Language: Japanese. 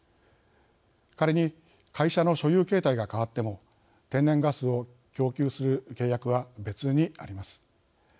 仮に会社の所有形態が変わっても天然ガスを供給する契約は別にあります。